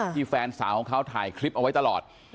ที่แฟนสาวเค้าถ่ายคลิปเอาไว้ตลอด